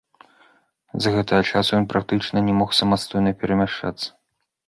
З гэтага часу ён практычна не мог самастойна перамяшчацца.